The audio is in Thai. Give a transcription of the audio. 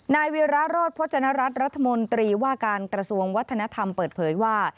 นายวิราโรธพจนรัฐรัฐรัฐมนตรีว่าการกระทรวงวัฒนธรรมเปิดเผยว่า